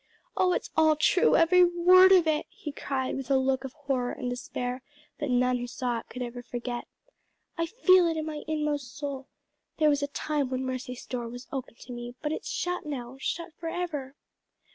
Oh it's all true, every word of it!" he cried, with a look of horror and despair that none who saw it could ever forget, "I feel it in my inmost soul. There was a time when mercy's door was open to me, but it's shut now, shut forever."